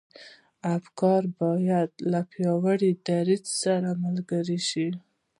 افکار بايد له پياوړي دريځ سره ملګري شي.